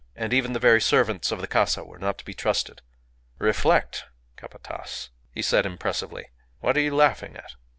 And even the very servants of the casa were not to be trusted. "Reflect, Capataz," he said, impressively. ... "What are you laughing at?"